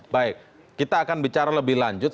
baik kita akan bicara lebih lanjut